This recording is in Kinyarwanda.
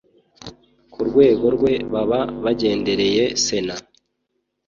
ku rwego rwe baba bagendereye sena